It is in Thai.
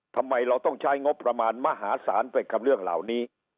ทำไมเราต้องใช้งบประมาณมหาศาลไปกับเรื่องเหล่านี้